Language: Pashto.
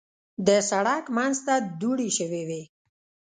د سړک منځ ته دوړې شوې وې.